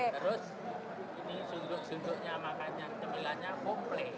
terus ini sudut sudutnya makan yang kemuliaannya komple